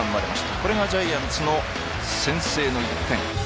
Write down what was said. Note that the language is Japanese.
これがジャイアンツの先制の１点。